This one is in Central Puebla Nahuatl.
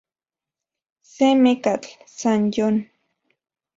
Se mekatl, san yon.